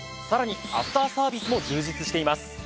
さらにアフターサービスも充実しています。